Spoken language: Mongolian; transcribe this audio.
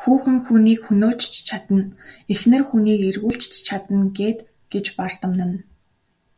Хүүхэн хүнийг хөөж ч чадна, эхнэр хүнийг эргүүлж ч чадна гээд гэж бардамнана.